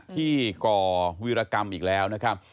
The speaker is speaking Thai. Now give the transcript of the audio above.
ก่อวิรกรรมอีกแล้วนะครับ